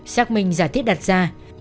xác minh giải thiết đặt ra